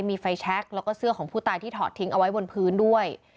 มีไฟแช็คแล้วก็เสื้อของผู้ตายที่ถอดทิ้งเอาไว้บนพื้นด้วย